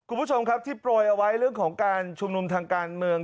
คุณผู้ชมครับที่โปรยเอาไว้เรื่องของการชุมนุมทางการเมือง